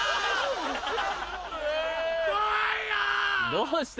どうした？